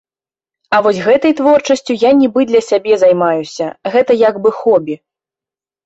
А вось гэтай творчасцю я нібы для сябе займаюся, гэта як бы хобі.